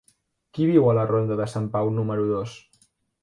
Qui viu a la ronda de Sant Pau número dos?